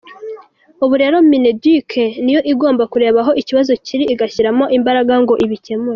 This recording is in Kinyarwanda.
Ubu rero Mideduc niyo igomba kureba aho ikibazo kiri igashyiramo imbaraga ngo ibikemure.